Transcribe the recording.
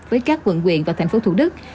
với các quận quyền và thành phố thủ đức